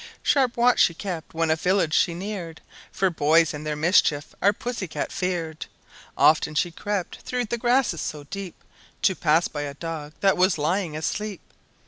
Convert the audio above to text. Sharp watch she kept when a village she neared, For boys and their mischief our Pussy cat feared. Often she crept through the grasses so deep To pass by a dog that was lying asleep.